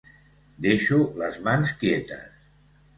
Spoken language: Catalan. Deixo les mans quietes.